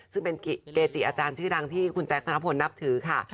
ซึ่งเป็นเกจิอาจารย์ชื่อดังที่คุณแจ๊คธนพลนับถือค่ะ